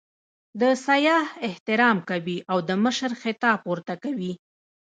د سیاح احترام کوي او د مشر خطاب ورته کوي.